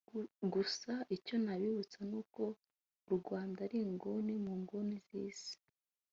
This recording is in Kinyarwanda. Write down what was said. Gusa icyo nabibutsa n’uko u Rwanda ari inguni mu nguni z’isi